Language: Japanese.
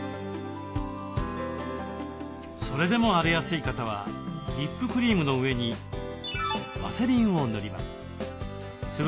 それでも荒れやすい方はリップクリームの上にワセリンを塗ります。